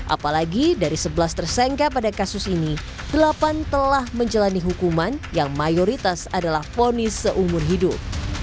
apalagi dari sebelas tersangka pada kasus ini delapan telah menjalani hukuman yang mayoritas adalah fonis seumur hidup